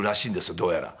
どうやら。